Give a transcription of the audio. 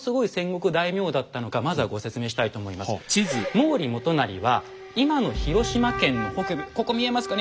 毛利元就は今の広島県の北部ここ見えますかね。